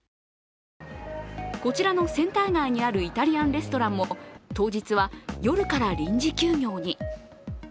こちらのセンター街にあるイタリアンレストランも当日は夜から臨時休業に。